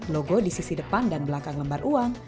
logo di sisi depan dan belakang lembar uang